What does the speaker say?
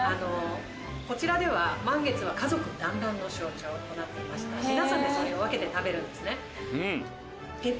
こちらでは満月は家族団らんの象徴となっていまして皆さんでそれを分けて食べるんですね。